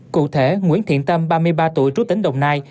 cụ thể nguyễn thiện tâm ba mươi ba tuổi trú tỉnh đồng nai